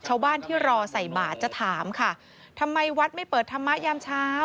ชาวบ้านที่รอใส่บาทจะถามค่ะทำไมวัดไม่เปิดธรรมะยามเช้า